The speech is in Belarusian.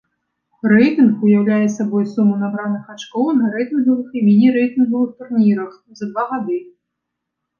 Рэйтынг уяўляе сабой суму набраных ачкоў на рэйтынгавых і міні-рэйтынгавых турнірах за два гады.